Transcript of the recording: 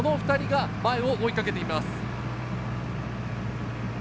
この２人が前を追いかけています。